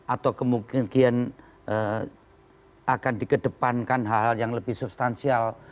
atau kemungkinan akan dikedepankan hal hal yang lebih substansial